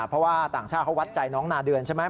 เพราะว่าต่างชาติเขาวัดใจน้องนาเดือนใช่ไหม